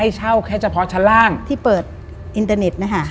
๓ชั้น